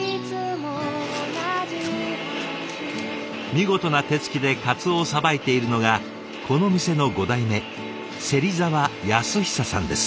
見事な手つきで鰹をさばいているのがこの店の５代目芹沢安久さんです。